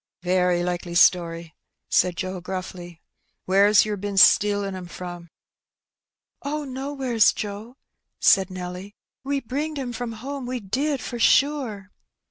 " Very likely story," said Joe gruffly. '' Where's yer bin stealing 'em from?" ''Oh, nowheres, Joe," said Nelly. "We bringed 'em from home, we did, for sure."